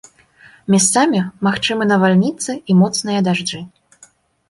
Месцамі магчымыя навальніцы і моцныя дажджы.